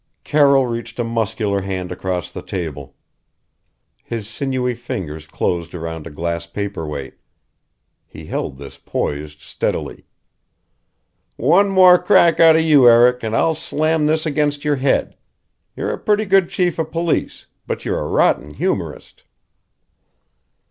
Carroll reached a muscular hand across the table. His sinewy fingers closed around a glass paperweight. He held this poised steadily. "One more crack out of you, Eric, and I'll slam this against your head. You're a pretty good chief of police but you're a rotten humorist."